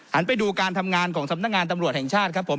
ไปดูการทำงานของสำนักงานตำรวจแห่งชาติครับผม